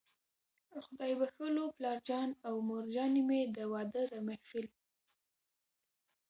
خدای بښلو پلارجان او مورجانې مې، د واده د محفل